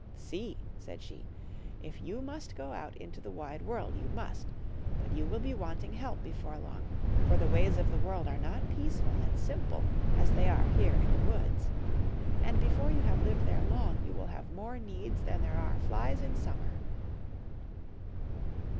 " See," said she, " if you must go out into the wide world you must. But you will be wanting help before long ; for the ways of the world are not peaceful and simple as they are here in the woods, and before you have lived there long you will have more needs than there are flies in summer.